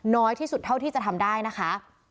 น้อยที่สุดเท่าที่จะทำได้นะคะ